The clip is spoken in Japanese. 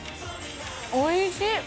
おいしい。